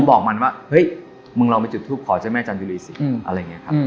ผมบอกมันว่าเฮ้ยมึงรองไปจุดทูบขอเจ้าแม่จำยุริสิ